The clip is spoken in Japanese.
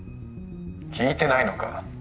聞いてないのか？